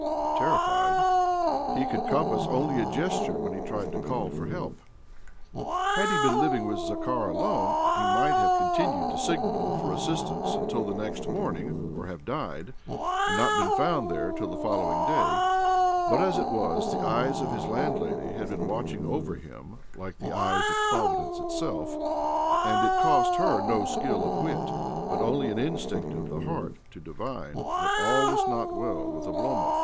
Terrified, he could compass only a gesture when he tried to call for help. Had he been living with Zakhar alone, he might have continued to signal for assistance until next morning, or have died, and not been found there till the following day ; but, as it was, the eyes of his landlady had OBLOMOV 281 been watching over him like the eyes of Providence itself, and it cost her no skill of wit, but only an instinct of the heart, to divine that all was not well with Oblomov.